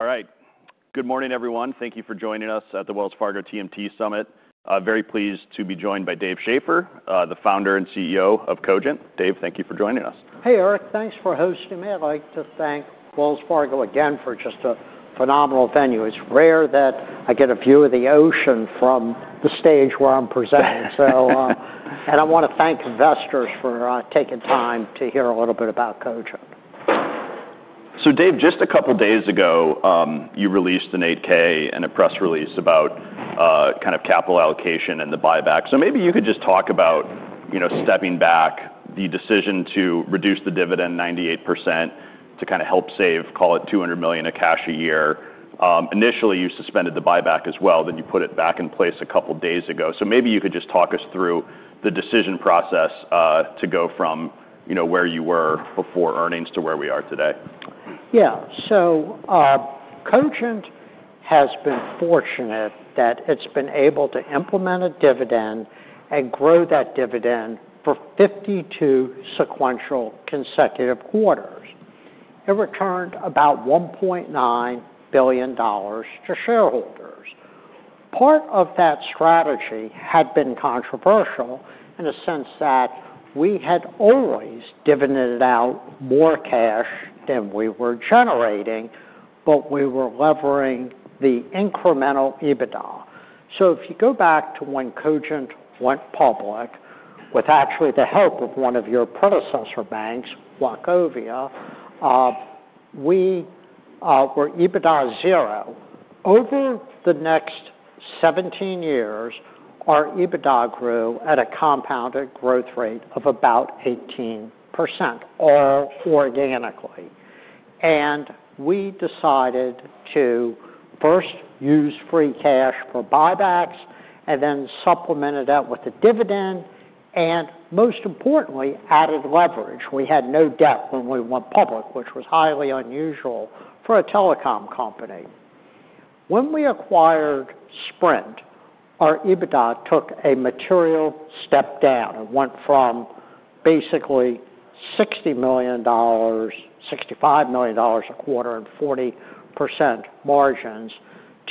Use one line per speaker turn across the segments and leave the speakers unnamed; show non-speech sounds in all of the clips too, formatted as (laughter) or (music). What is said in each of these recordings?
All right. Good morning, everyone. Thank you for joining us at the Wells Fargo TMT Summit. Very pleased to be joined by Dave Schaeffer, the founder and CEO of Cogent. Dave, thank you for joining us.
Hey, Eric. Thanks for hosting me. I'd like to thank Wells Fargo again for just a phenomenal venue. It's rare that I get a view of the ocean from the stage where I'm presenting. I want to thank investors for taking time to hear a little bit about Cogent. Dave, just a couple of days ago, you released an 8-K and a press release about kind of capital allocation and the buyback. Maybe you could just talk about stepping back, the decision to reduce the dividend 98% to kind of help save, call it, $200 million of cash a year. Initially, you suspended the buyback as well. Then you put it back in place a couple of days ago. Maybe you could just talk us through the decision process to go from where you were before earnings to where we are today. Yeah. Cogent has been fortunate that it's been able to implement a dividend and grow that dividend for 52 sequential consecutive quarters. It returned about $1.9 billion to shareholders. Part of that strategy had been controversial in the sense that we had always dividended out more cash than we were generating, but we were leveraging the incremental EBITDA. If you go back to when Cogent went public, with actually the help of one of your predecessor banks, (audio distortion) we were EBITDA zero. Over the next 17 years, our EBITDA grew at a compounded growth rate of about 18%, all organically. We decided to first use free cash for buybacks and then supplemented that with a dividend. Most importantly, added leverage. We had no debt when we went public, which was highly unusual for a telecom company. When we acquired Sprint, our EBITDA took a material step down. It went from basically $60 million,$65 million a quarter and 40% margins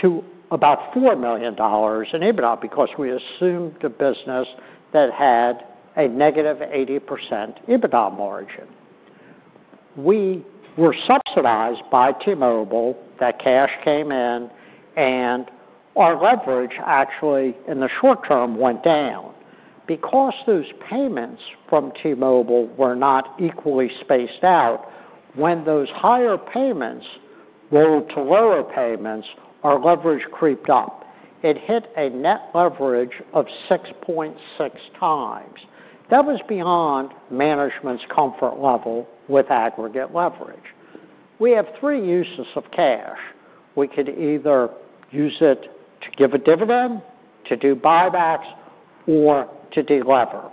to about $4 million in EBITDA because we assumed a business that had a -80% EBITDA margin. We were subsidized by T-Mobile. That cash came in, and our leverage actually in the short term went down because those payments from T-Mobile were not equally spaced out. When those higher payments rolled to lower payments, our leverage creeped up. It hit a net leverage of 6.6x. That was beyond management's comfort level with aggregate leverage. We have three uses of cash. We could either use it to give a dividend, to do buybacks, or to delever.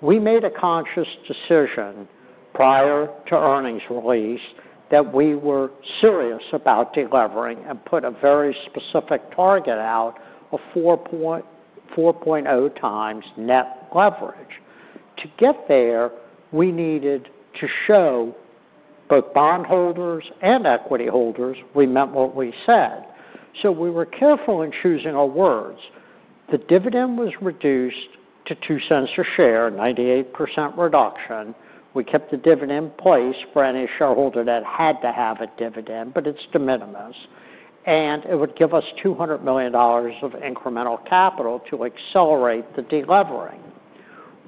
We made a conscious decision prior to earnings release that we were serious about delevering and put a very specific target out of 4.0x net leverage. To get there, we needed to show both bondholders and equity holders we meant what we said. We were careful in choosing our words. The dividend was reduced to $0.02 a share, a 98% reduction. We kept the dividend in place for any shareholder that had to have a dividend, but it's de minimis. It would give us $200 million of incremental capital to accelerate the delivering.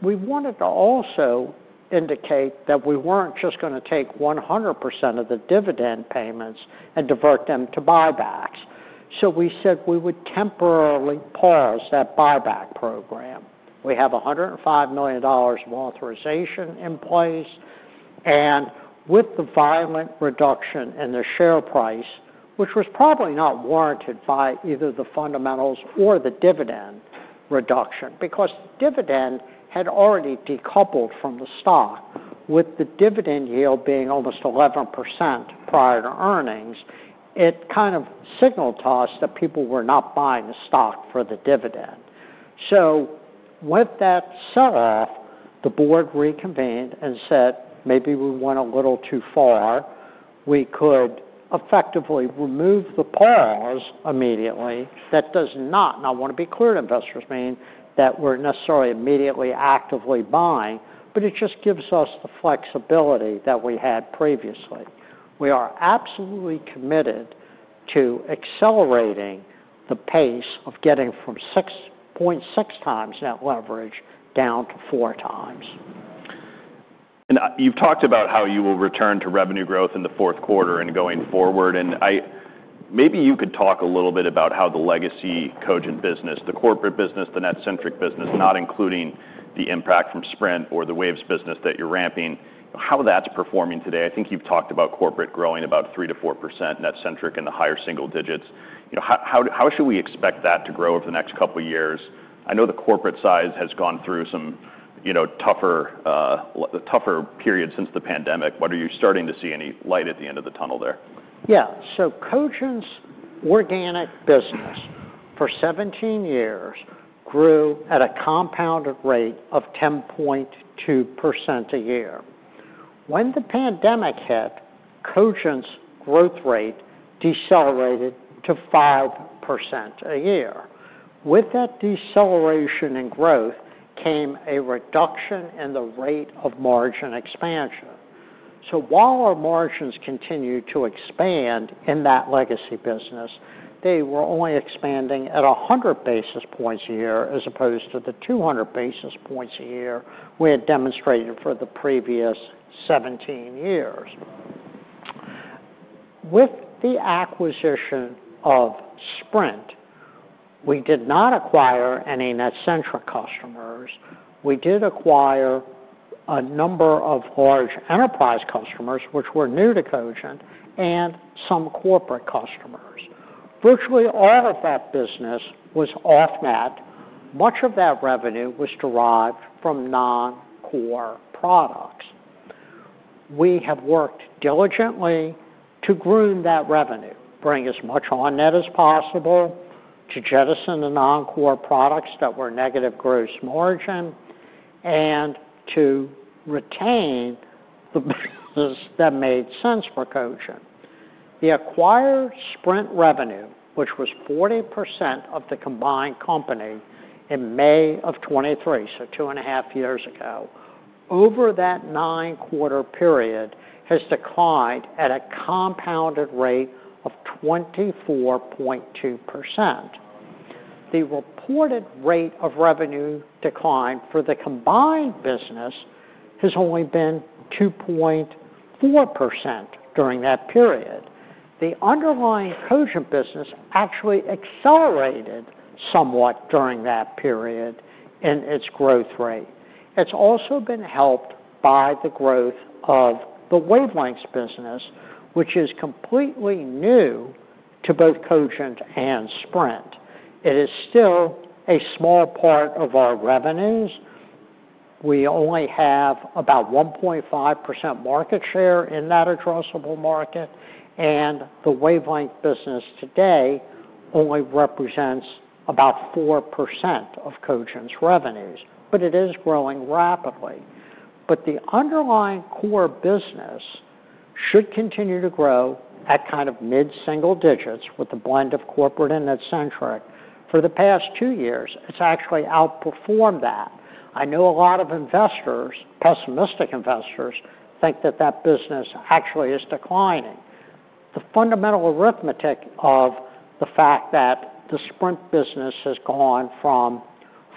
We wanted to also indicate that we weren't just going to take 100% of the dividend payments and divert them to buybacks. We said we would temporarily pause that buyback program. We have $105 million of authorization in place. With the violent reduction in the share price, which was probably not warranted by either the fundamentals or the dividend reduction, because dividend had already decoupled from the stock, with the dividend yield being almost 11% prior to earnings, it kind of signaled to us that people were not buying the stock for the dividend. With that set off, the board reconvened and said, "Maybe we went a little too far. We could effectively remove the pause immediately." That does not, and I want to be clear to investors, mean that we're necessarily immediately actively buying, but it just gives us the flexibility that we had previously. We are absolutely committed to accelerating the pace of getting from 6.6x net leverage down to 4x. You've talked about how you will return to revenue growth in the fourth quarter and going forward. Maybe you could talk a little bit about how the legacy Cogent business, the corporate business, the net-centric business, not including the impact from Sprint or the Waves business that you're ramping, how that's performing today. I think you've talked about corporate growing about 3%-4%, net-centric in the higher single digits. How should we expect that to grow over the next couple of years? I know the corporate side has gone through some tougher periods since the pandemic. Are you starting to see any light at the end of the tunnel there? Yeah. So Cogent's organic business for 17 years grew at a compounded rate of 10.2% a year. When the pandemic hit, Cogent's growth rate decelerated to 5% a year. With that deceleration in growth came a reduction in the rate of margin expansion. So while our margins continued to expand in that legacy business, they were only expanding at 100 basis points a year as opposed to the 200 basis points a year we had demonstrated for the previous 17 years. With the acquisition of Sprint, we did not acquire any net-centric customers. We did acquire a number of large enterprise customers, which were new to Cogent, and some corporate customers. Virtually all of that business was off-net. Much of that revenue was derived from non-core products. We have worked diligently to groom that revenue, bring as much on-net as possible, to jettison the non-core products that were negative gross margin, and to retain the business that made sense for Cogent. The acquired Sprint revenue, which was 40% of the combined company in May of 2023, so two and a half years ago, over that nine-quarter period has declined at a compounded rate of 24.2%. The reported rate of revenue decline for the combined business has only been 2.4% during that period. The underlying Cogent business actually accelerated somewhat during that period in its growth rate. It's also been helped by the growth of the wavelengths business, which is completely new to both Cogent and Sprint. It is still a small part of our revenues. We only have about 1.5% market share in that addressable market. The wavelength business today only represents about 4% of Cogent's revenues. It is growing rapidly. The underlying core business should continue to grow at kind of mid-single digits with the blend of corporate and net-centric. For the past two years, it has actually outperformed that. I know a lot of investors, pessimistic investors, think that that business actually is declining. The fundamental arithmetic of the fact that the Sprint business has gone from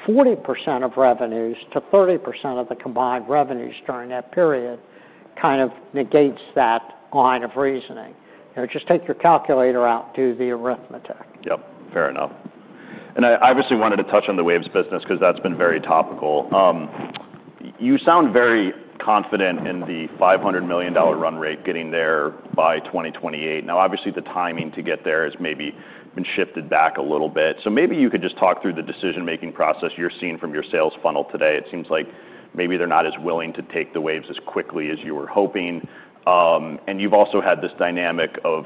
40% of revenues to 30% of the combined revenues during that period kind of negates that line of reasoning. Just take your calculator out and do the arithmetic. Yep. Fair enough. I obviously wanted to touch on the Waves business because that's been very topical. You sound very confident in the $500 million run rate getting there by 2028. Obviously, the timing to get there has maybe been shifted back a little bit. Maybe you could just talk through the decision-making process you're seeing from your sales funnel today. It seems like maybe they're not as willing to take the waves as quickly as you were hoping. You've also had this dynamic of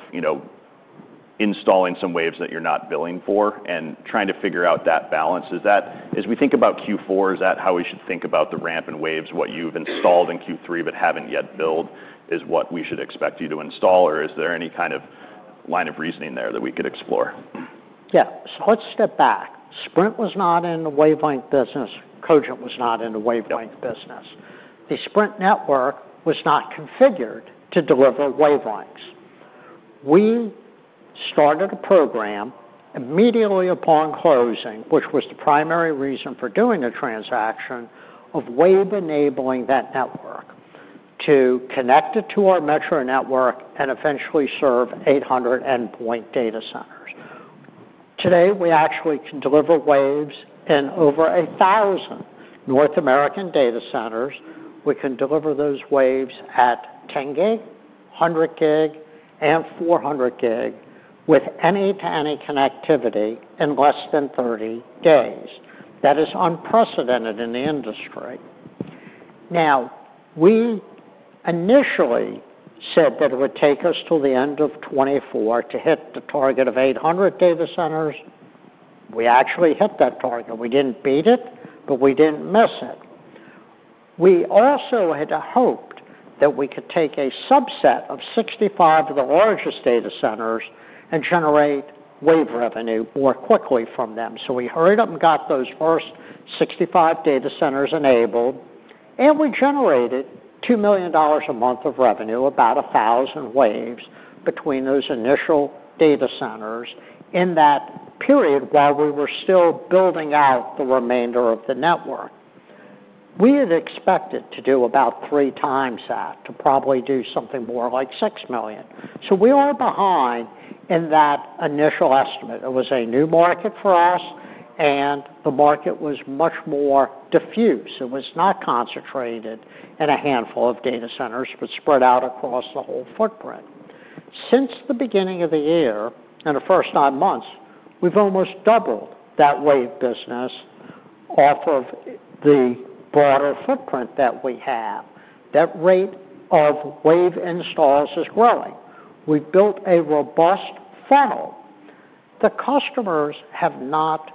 installing some waves that you're not billing for and trying to figure out that balance. As we think about Q4, is that how we should think about the ramp in waves, what you've installed in Q3 but haven't yet billed is what we should expect you to install? Is there any kind of line of reasoning there that we could explore? Yeah. Let's step back. Sprint was not in the wavelength business. Cogent was not in the wavelength business. The Sprint network was not configured to deliver wavelengths. We started a program immediately upon closing, which was the primary reason for doing a transaction, of wave-enabling that network to connect it to our metro network and eventually serve 800 endpoint data centers. Today, we actually can deliver waves in over 1,000 North American data centers. We can deliver those waves at 10 gig, 100 gig, and 400 gig with any-to-any connectivity in less than 30 days. That is unprecedented in the industry. Now, we initially said that it would take us till the end of 2024 to hit the target of 800 data centers. We actually hit that target. We did not beat it, but we did not miss it. We also had hoped that we could take a subset of 65 of the largest data centers and generate wave revenue more quickly from them. We hurried up and got those first 65 data centers enabled and we generated $2 million a month of revenue, about 1,000 waves between those initial data centers in that period while we were still building out the remainder of the network. We had expected to do about 3x that, to probably do something more like $6 million. We are behind in that initial estimate. It was a new market for us, and the market was much more diffuse. It was not concentrated in a handful of data centers but spread out across the whole footprint. Since the beginning of the year and the first nine months, we have almost doubled that wave business off of the broader footprint that we have. That rate of wave installs is growing. We've built a robust funnel. The customers have not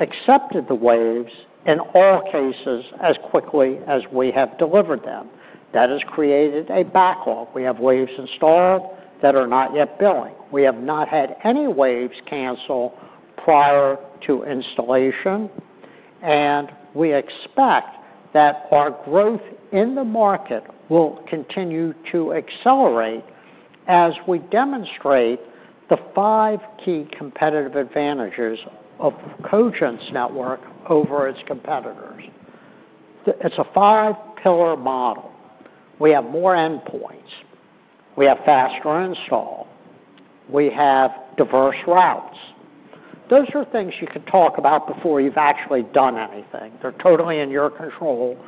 accepted the waves in all cases as quickly as we have delivered them. That has created a backlog. We have waves installed that are not yet billing. We have not had any waves cancel prior to installation. We expect that our growth in the market will continue to accelerate as we demonstrate the five key competitive advantages of Cogent's network over its competitors. It's a five-pillar model. We have more endpoints. We have faster install. We have diverse routes. Those are things you can talk about before you've actually done anything. They're totally in your control.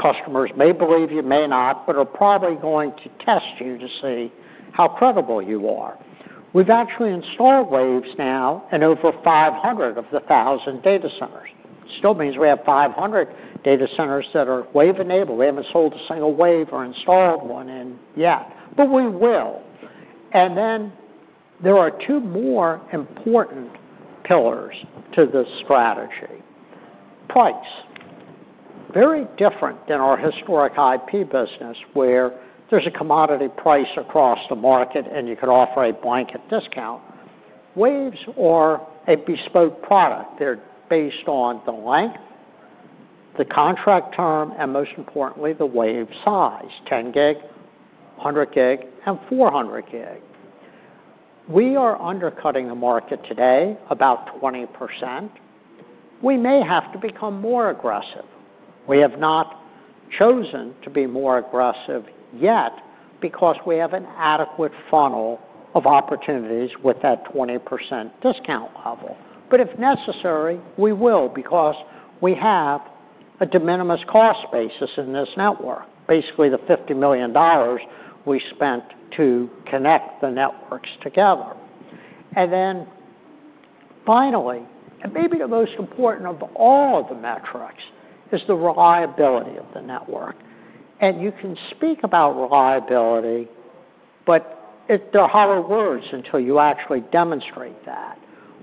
Customers may believe you, may not, but are probably going to test you to see how credible you are. We've actually installed waves now in over 500 of the 1,000 data centers. Still means we have 500 data centers that are wave-enabled. We haven't sold a single wave or installed one in yet, but we will. There are two more important pillars to this strategy: price. Very different than our historic IP business where there's a commodity price across the market and you could offer a blanket discount. Waves are a bespoke product. They're based on the length, the contract term, and most importantly, the wave size: 10 gig, 100 gig, and 400 gig. We are undercutting the market today about 20%. We may have to become more aggressive. We have not chosen to be more aggressive yet because we have an adequate funnel of opportunities with that 20% discount level. If necessary, we will because we have a de minimis cost basis in this network, basically the $50 million we spent to connect the networks together. Finally, and maybe the most important of all of the metrics is the reliability of the network. You can speak about reliability, but they're harder words until you actually demonstrate that.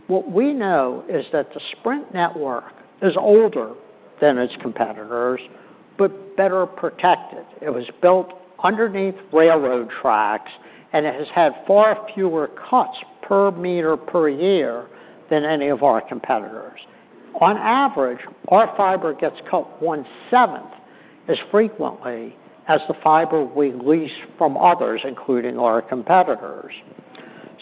What we know is that the Sprint network is older than its competitors but better protected. It was built underneath railroad tracks, and it has had far fewer cuts per meter per year than any of our competitors. On average, our fiber gets cut 1/7th as frequently as the fiber we lease from others, including our competitors.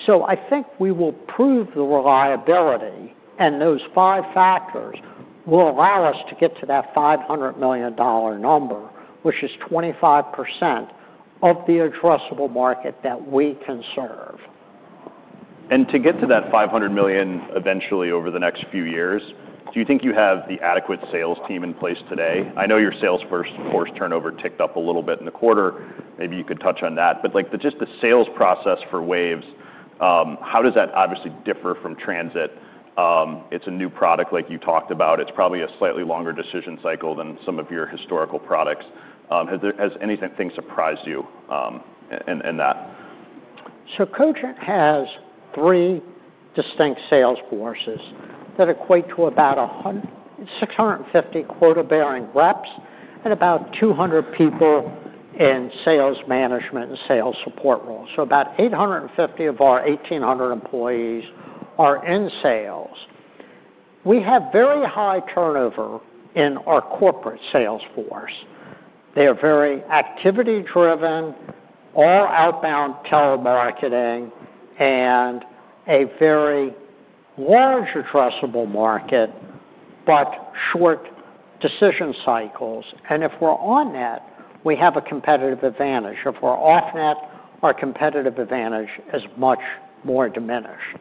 I think we will prove the reliability, and those five factors will allow us to get to that $500 million number, which is 25% of the addressable market that we can serve. To get to that $500 million eventually over the next few years, do you think you have the adequate sales team in place today? I know your sales force turnover ticked up a little bit in the quarter. Maybe you could touch on that. Just the sales process for Waves, how does that obviously differ from Transit? It's a new product like you talked about. It's probably a slightly longer decision cycle than some of your historical products. Has anything surprised you in that? Cogent has three distinct sales forces that equate to about 650 quota-bearing reps and about 200 people in sales management and sales support roles. About 850 of our 1,800 employees are in sales. We have very high turnover in our corporate sales force. They are very activity-driven, all outbound telemarketing, and a very large addressable market but short decision cycles. If we're on net, we have a competitive advantage. If we're off net, our competitive advantage is much more diminished.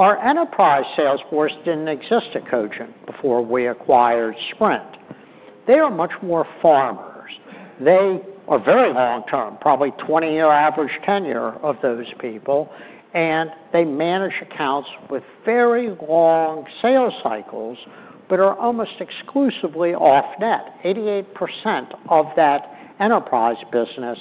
Our enterprise sales force did not exist at Cogent before we acquired Sprint. They are much more farmers. They are very long-term, probably 20-year average tenure of those people. They manage accounts with very long sales cycles but are almost exclusively off-net. 88% of that enterprise business,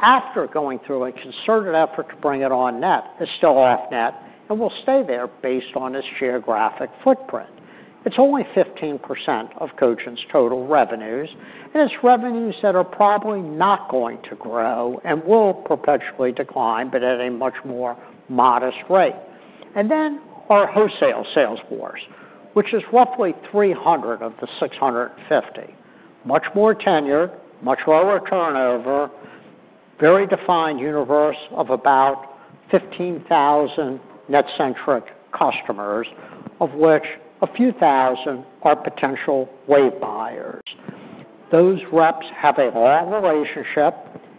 after going through a concerted effort to bring it on net, is still off-net and will stay there based on its geographic footprint. It's only 15% of Cogent's total revenues. It's revenues that are probably not going to grow and will perpetually decline, but at a much more modest rate. Our wholesale sales force, which is roughly 300 of the 650, much more tenure, much lower turnover, very defined universe of about 15,000 net-centric customers, of which a few thousand are potential wave buyers. Those reps have a long relationship,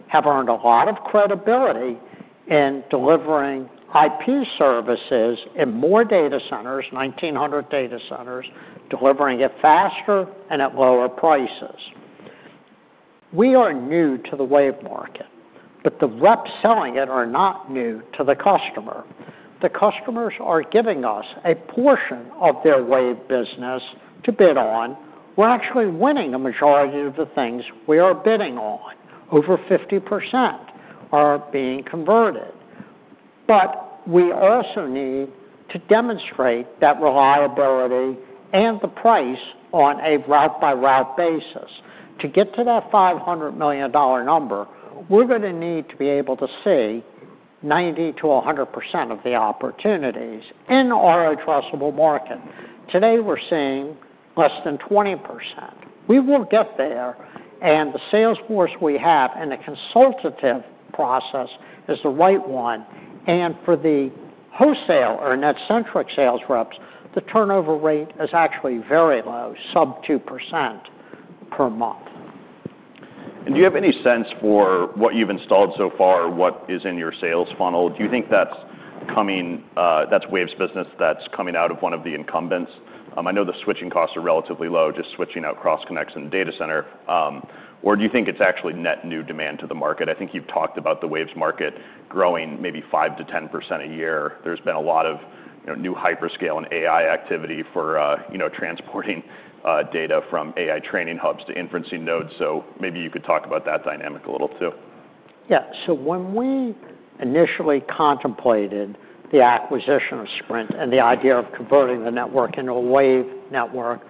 have earned a lot of credibility in delivering IP services in more data centers, 1,900 data centers, delivering it faster and at lower prices. We are new to the wave market, but the reps selling it are not new to the customer. The customers are giving us a portion of their wave business to bid on. We're actually winning a majority of the things we are bidding on. Over 50% are being converted. We also need to demonstrate that reliability and the price on a route-by-route basis. To get to that $500 million number, we're going to need to be able to see 90%-100% of the opportunities in our addressable market. Today, we're seeing less than 20%. We will get there. The sales force we have in a consultative process is the right one. For the wholesale or net-centric sales reps, the turnover rate is actually very low, sub 2% per month. Do you have any sense for what you've installed so far, what is in your sales funnel? Do you think that's Waves business that's coming out of one of the incumbents? I know the switching costs are relatively low, just switching out cross-connects in data center. Do you think it's actually net new demand to the market? I think you've talked about the Waves market growing maybe 5%-10% a year. There's been a lot of new hyperscale and AI activity for transporting data from AI training hubs to inferencing nodes. Maybe you could talk about that dynamic a little too. Yeah. When we initially contemplated the acquisition of Sprint and the idea of converting the network into a wave network,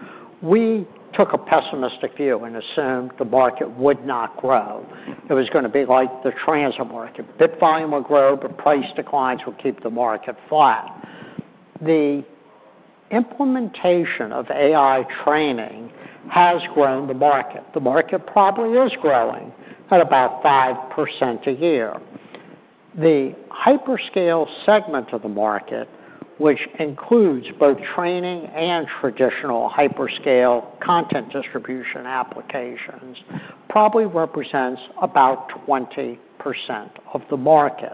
we took a pessimistic view and assumed the market would not grow. It was going to be like the transit market. Bit volume will grow, but price declines will keep the market flat. The implementation of AI training has grown the market. The market probably is growing at about 5% a year. The hyperscale segment of the market, which includes both training and traditional hyperscale content distribution applications, probably represents about 20% of the market.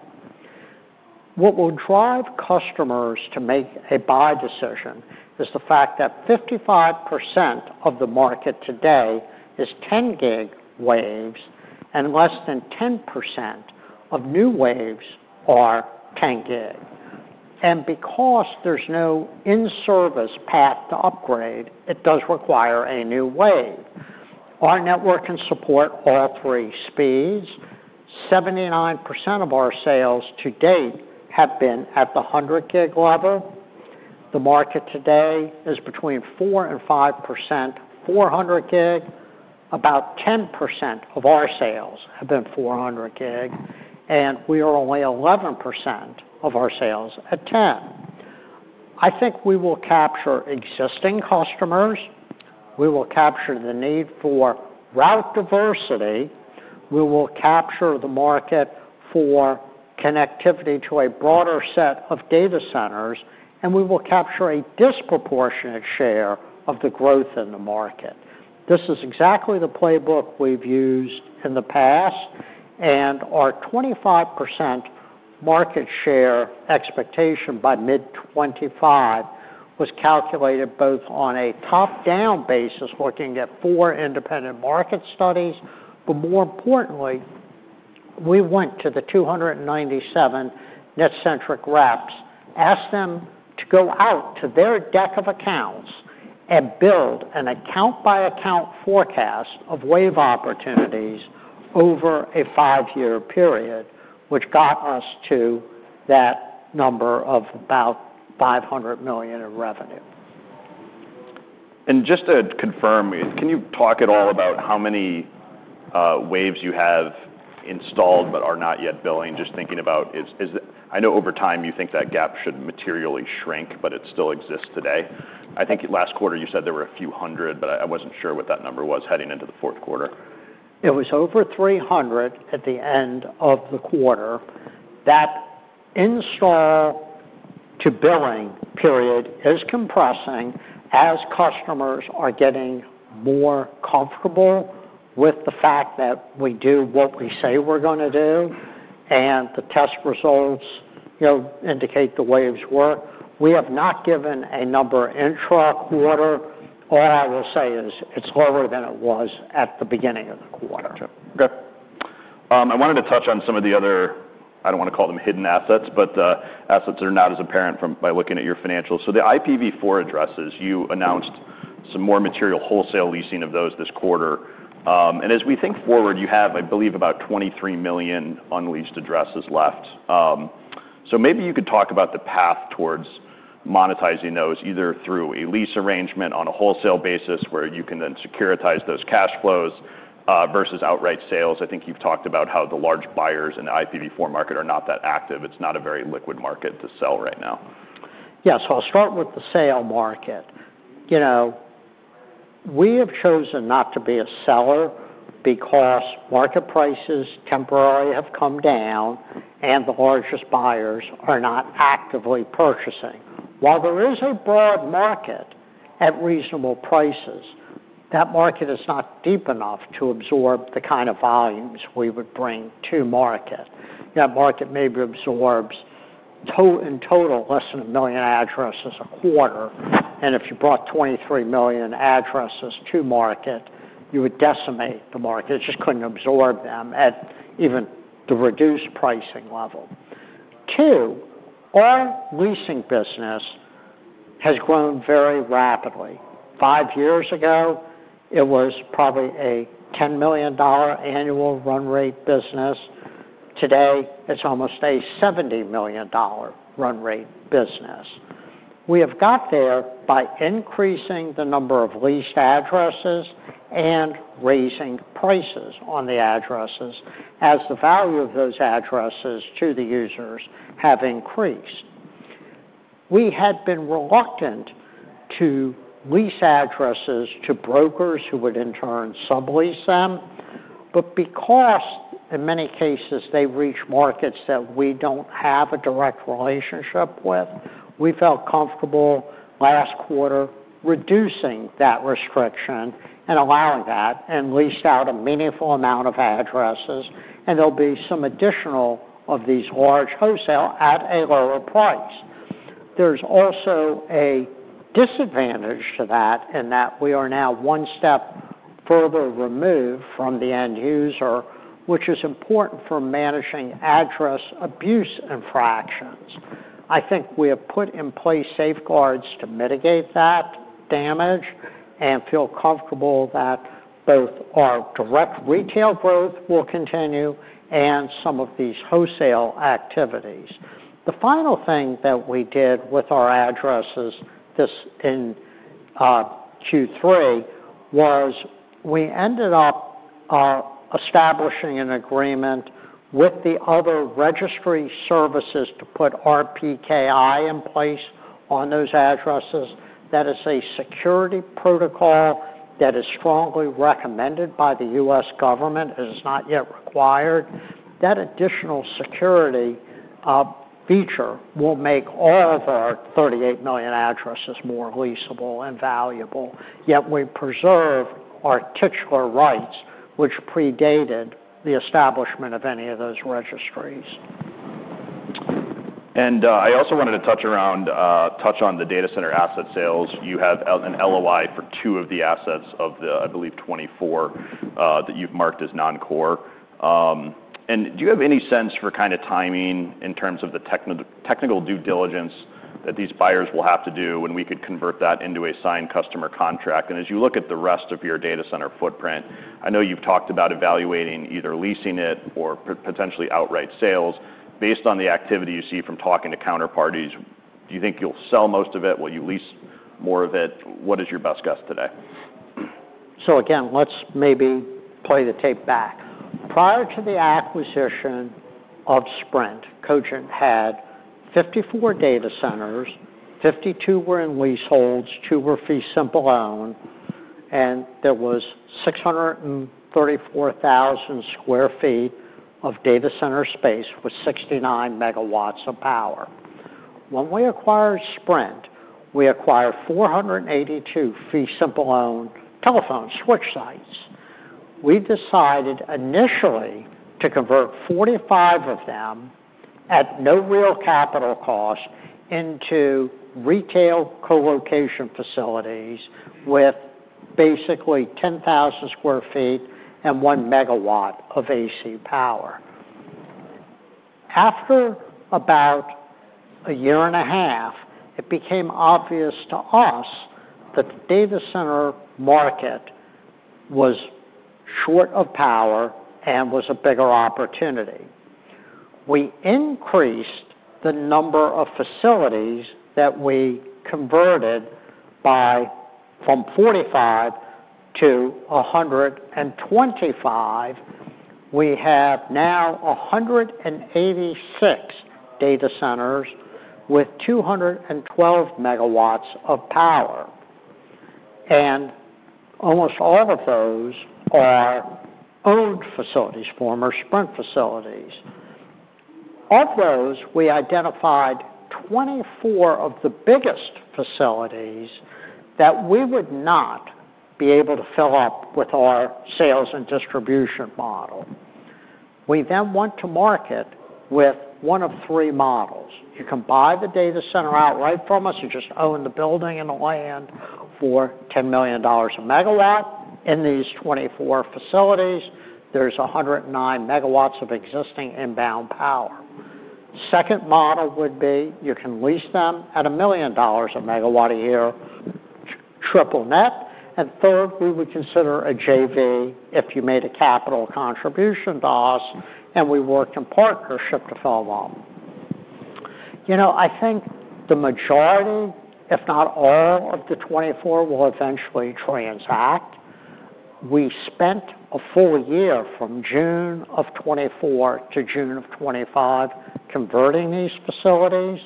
What will drive customers to make a buy decision is the fact that 55% of the market today is 10 gig waves, and less than 10% of new waves are 10 gig. Because there is no in-service path to upgrade, it does require a new wave. Our network can support all three speeds. 79% of our sales to date have been at the 100 gig level. The market today is between 4%-5% 400 gig. About 10% of our sales have been 400 gig, and we are only 11% of our sales at 10. I think we will capture existing customers. We will capture the need for route diversity. We will capture the market for connectivity to a broader set of data centers, and we will capture a disproportionate share of the growth in the market. This is exactly the playbook we have used in the past. Our 25% market share expectation by mid-2025 was calculated both on a top-down basis, looking at four independent market studies. More importantly, we went to the 297 net-centric reps, asked them to go out to their deck of accounts and build an account-by-account forecast of wave opportunities over a five-year period, which got us to that number of about $500 million in revenue. Just to confirm, can you talk at all about how many waves you have installed but are not yet billing? Just thinking about, I know over time you think that gap should materially shrink, but it still exists today. I think last quarter you said there were a few hundred, but I wasn't sure what that number was heading into the fourth quarter. It was over 300 at the end of the quarter. That install-to-billing period is compressing as customers are getting more comfortable with the fact that we do what we say we're going to do, and the test results indicate the waves work. We have not given a number intra-quarter. All I will say is it's lower than it was at the beginning of the quarter. Gotcha. Okay. I wanted to touch on some of the other, I don't want to call them hidden assets, but assets that are not as apparent by looking at your financials. The IPv4 addresses, you announced some more material wholesale leasing of those this quarter. As we think forward, you have, I believe, about 23 million unleased addresses left. Maybe you could talk about the path towards monetizing those, either through a lease arrangement on a wholesale basis where you can then securitize those cash flows versus outright sales. I think you've talked about how the large buyers in the IPv4 market are not that active. It's not a very liquid market to sell right now. Yeah. I'll start with the sale market. We have chosen not to be a seller because market prices temporarily have come down, and the largest buyers are not actively purchasing. While there is a broad market at reasonable prices, that market is not deep enough to absorb the kind of volumes we would bring to market. That market maybe absorbs in total less than 1 million addresses a quarter. If you brought 23 million addresses to market, you would decimate the market. It just could not absorb them at even the reduced pricing level. Two, our leasing business has grown very rapidly. Five years ago, it was probably a $10 million annual run rate business. Today, it is almost a $70 million run rate business. We have got there by increasing the number of leased addresses and raising prices on the addresses as the value of those addresses to the users have increased. We had been reluctant to lease addresses to brokers who would in turn sublease them. Because in many cases they reach markets that we do not have a direct relationship with, we felt comfortable last quarter reducing that restriction and allowing that and leased out a meaningful amount of addresses. There will be some additional of these large wholesale at a lower price. There is also a disadvantage to that in that we are now one step further removed from the end user, which is important for managing address abuse infractions. I think we have put in place safeguards to mitigate that damage and feel comfortable that both our direct retail growth will continue and some of these wholesale activities. The final thing that we did with our addresses in Q3 was we ended up establishing an agreement with the other registry services to put RPKI in place on those addresses. That is a security protocol that is strongly recommended by the U.S. government. It is not yet required. That additional security feature will make all of our 38 million addresses more leasable and valuable. Yet we preserve our titular rights, which predated the establishment of any of those registries. I also wanted to touch on the data center asset sales. You have an LOI for two of the assets of the, I believe, 24 that you've marked as non-core. Do you have any sense for kind of timing in terms of the technical due diligence that these buyers will have to do when we could convert that into a signed customer contract? As you look at the rest of your data center footprint, I know you've talked about evaluating either leasing it or potentially outright sales. Based on the activity you see from talking to counterparties, do you think you'll sell most of it? Will you lease more of it? What is your best guess today? Let's maybe play the tape back. Prior to the acquisition of Sprint, Cogent had 54 data centers, 52 were in leaseholds, two were fee simple-owned, and there was 634,000 sq ft of data center space with 69 MW of power. When we acquired Sprint, we acquired 482 fee simple-owned telephone switch sites. We decided initially to convert 45 of them at no real capital cost into retail colocation facilities with basically 10,000 sq ft and 1 MW of AC power. After about a year and a half, it became obvious to us that the data center market was short of power and was a bigger opportunity. We increased the number of facilities that we converted from 45 to 125. We have now 186 data centers with 212 MW of power. Almost all of those are owned facilities, former Sprint facilities. Of those, we identified 24 of the biggest facilities that we would not be able to fill up with our sales and distribution model. We then went to market with one of three models. You can buy the data center outright from us. You just own the building and the land for $10 million a MW. In these 24 facilities, there is 109 MW of existing inbound power. Second model would be you can lease them at $1 million a megawatt a year, triple net. And third, we would consider a JV if you made a capital contribution to us, and we worked in partnership to fill them up. You know, I think the majority, if not all of the 24, will eventually transact. We spent a full year from June of 2024 to June of 2025 converting these facilities.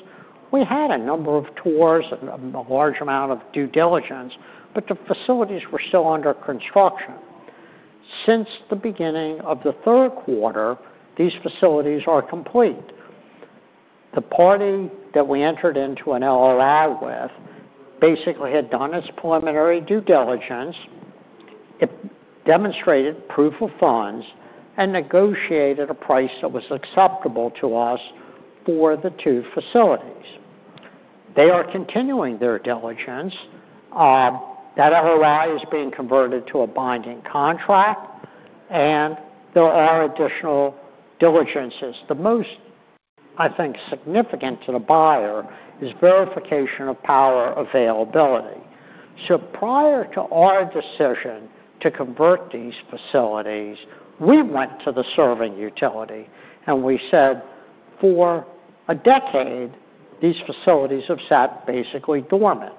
We had a number of tours and a large amount of due diligence, but the facilities were still under construction. Since the beginning of the third quarter, these facilities are complete. The party that we entered into an LOI with basically had done its preliminary due diligence, demonstrated proof of funds, and negotiated a price that was acceptable to us for the two facilities. They are continuing their diligence. That LOI is being converted to a binding contract, and there are additional diligences. The most, I think, significant to the buyer is verification of power availability. Prior to our decision to convert these facilities, we went to the serving utility, and we said, "For a decade, these facilities have sat basically dormant.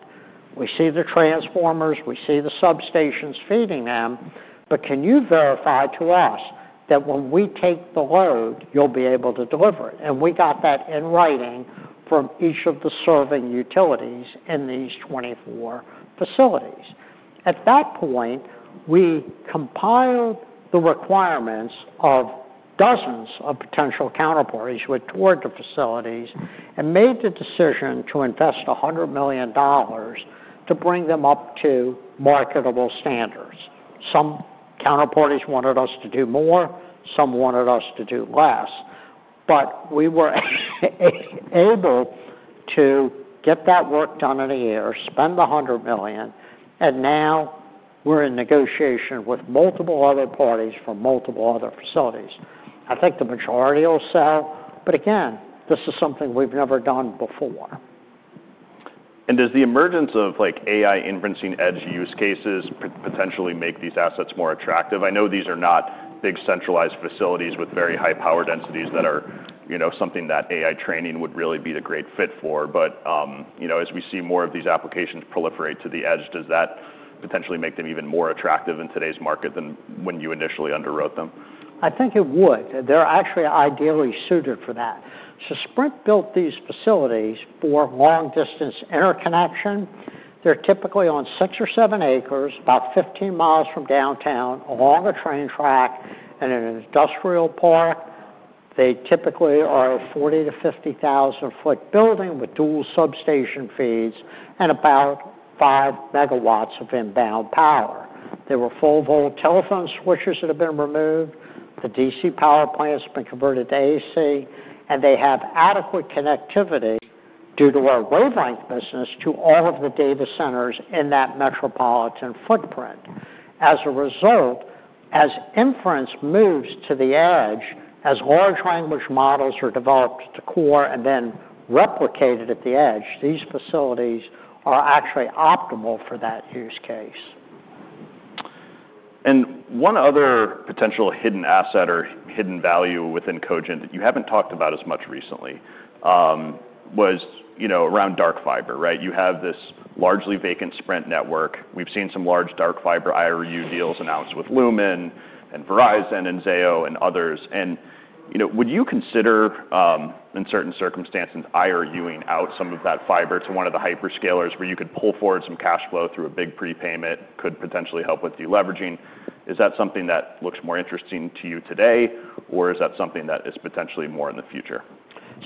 We see the transformers. We see the substations feeding them. Can you verify to us that when we take the load, you'll be able to deliver it? We got that in writing from each of the serving utilities in these 24 facilities. At that point, we compiled the requirements of dozens of potential counterparties who had toured the facilities and made the decision to invest $100 million to bring them up to marketable standards. Some counterparties wanted us to do more. Some wanted us to do less. We were able to get that work done in a year, spend the $100 million, and now we're in negotiation with multiple other parties for multiple other facilities. I think the majority will sell. This is something we've never done before. Does the emergence of AI inferencing edge use cases potentially make these assets more attractive? I know these are not big centralized facilities with very high power densities that are something that AI training would really be a great fit for. As we see more of these applications proliferate to the edge, does that potentially make them even more attractive in today's market than when you initially underwrote them? I think it would. They're actually ideally suited for that. Sprint built these facilities for long-distance interconnection. They're typically on 6 or 7 acres, about 15 miles from downtown, along a train track and in an industrial park. They typically are a 40,000-50,000 sq ft building with dual substation feeds and about 5 MW of inbound power. There were full-voltage telephone switches that have been removed. The DC power plants have been converted to AC, and they have adequate connectivity due to our roadway business to all of the data centers in that metropolitan footprint. As a result, as inference moves to the edge, as large language models are developed to core and then replicated at the edge, these facilities are actually optimal for that use case. One other potential hidden asset or hidden value within Cogent that you have not talked about as much recently was around dark fiber, right? You have this largely vacant Sprint network. We have seen some large dark fiber IRU deals announced with Lumen and Verizon and Zayo and others. Would you consider, in certain circumstances, IRUing out some of that fiber to one of the hyper-scalers where you could pull forward some cash flow through a big prepayment that could potentially help with deleveraging? Is that something that looks more interesting to you today, or is that something that is potentially more in the future?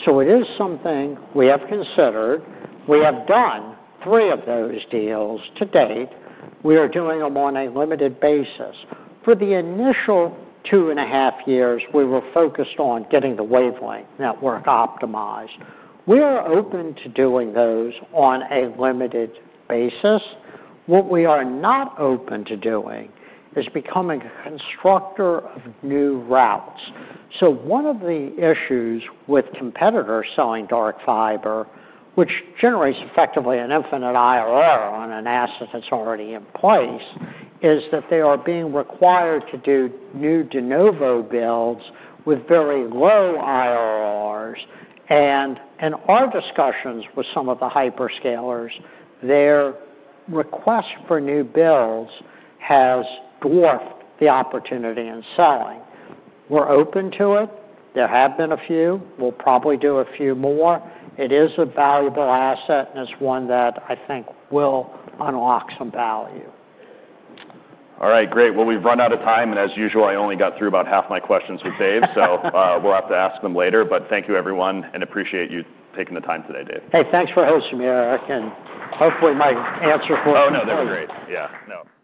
It is something we have considered. We have done three of those deals to date. We are doing them on a limited basis. For the initial two and a half years, we were focused on getting the wavelength network optimized. We are open to doing those on a limited basis. What we are not open to doing is becoming a constructor of new routes. One of the issues with competitors selling dark fiber, which generates effectively an infinite IRR on an asset that is already in place, is that they are being required to do new de novo builds with very low IRRs. In our discussions with some of the hyperscalers, their request for new builds has dwarfed the opportunity in selling. We are open to it. There have been a few. We will probably do a few more. It is a valuable asset, and it's one that I think will unlock some value. All right. Great. We have run out of time. As usual, I only got through about half my questions with Dave, so we will have to ask them later. Thank you, everyone, and appreciate you taking the time today, Dave. Hey, thanks for hosting me, Eric. Hopefully my answer for you was. Oh, no, that was great. Yeah. No, appreciate it.